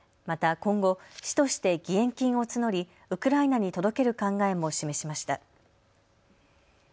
また今後、市として義援金を募りウクライナに届ける考えも示しました。